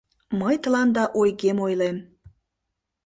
Мый тыланда ойгем ойлем: